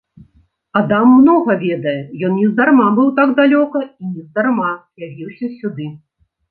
Адам многа ведае, ён нездарма быў так далёка і нездарма явіўся сюды.